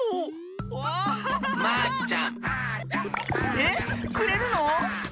ええ？くれるの？